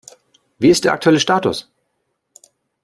Wie ist der aktuelle Status?